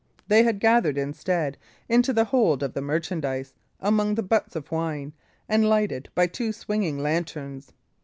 They had gathered, instead, into the hold of the merchandise, among the butts of wine, and lighted by two swinging lanterns.